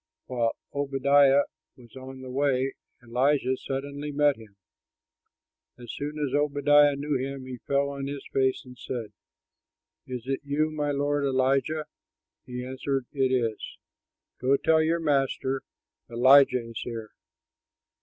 While Obadiah was on the way, Elijah suddenly met him. As soon as Obadiah knew him, he fell on his face and said, "Is it you, my lord Elijah?" He answered, "It is; go, tell your master: 'Elijah is here.'"